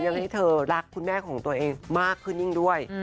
ให้เธอรักคุณแม่ของตัวเองมากขึ้นยิ่งด้วย